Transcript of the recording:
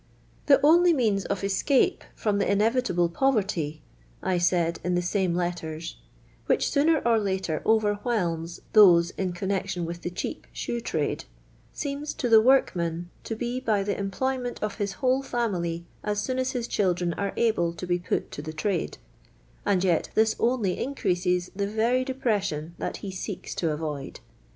" The only means of escape from the inevitable poverty," I said in the same letters, "which sooner or later overwhelms those in connection with the cheap shoe trade, seems to the workmen to be by the employment of his whole fiimily as soon as his children are able to be put to the trade — and yet this only increases the very de pression that he seeks to avoid.